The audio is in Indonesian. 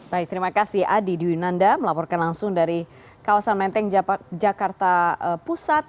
baik terima kasih adi dwinanda melaporkan langsung dari kawasan menteng jakarta pusat